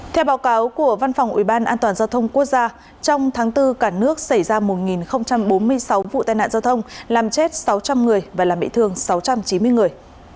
theo báo cáo của văn phòng ubnd giao thông quốc gia trong tháng bốn cả nước xảy ra một bốn mươi sáu vụ tai nạn giao thông làm chết sáu trăm linh người và làm bị thương sáu trăm chín mươi người